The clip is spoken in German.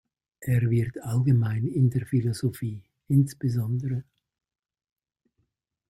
Er wird allgemein in der Philosophie, insb.